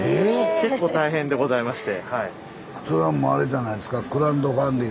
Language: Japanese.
結構大変でございまして。